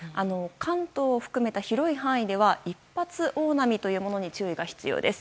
関東を含めた広い範囲では一発大波というものに注意が必要です。